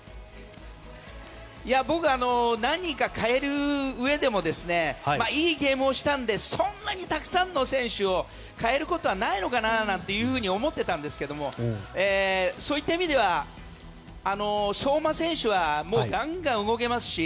僕は何人か代えるうえでもいいゲームをしたのでそんなにたくさんの選手を代えることはないのかななんて思っていたんですけどそういった意味では相馬選手はガンガン動けますし